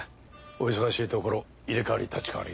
お忙しいところ入れ替わり立ち替わり。